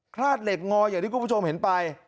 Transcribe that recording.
คลาดเหล็กงออย่างที่คุณผู้ชมเห็นไป